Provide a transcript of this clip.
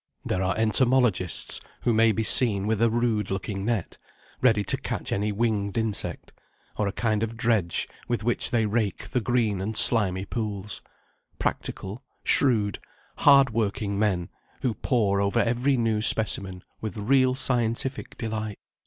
There are entomologists, who may be seen with a rude looking net, ready to catch any winged insect, or a kind of dredge, with which they rake the green and slimy pools; practical, shrewd, hard working men, who pore over every new specimen with real scientific delight.